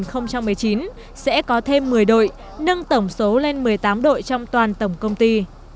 năm hai nghìn một mươi chín sẽ có thêm một mươi đội nâng tổng số lên một mươi tám đội trong toàn tổng công ty